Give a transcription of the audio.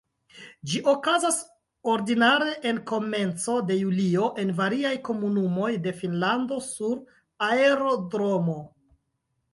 Ĝi okazas ordinare en komenco de julio en variaj komunumoj de Finnlando sur aerodromo.